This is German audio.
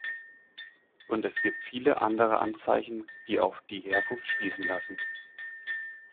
Und es gibt viele andere Anzeichen, die auf die Herkunft schließen lassen.